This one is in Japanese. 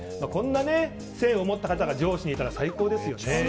こんな線を持った方が上司にいたら最高ですよね。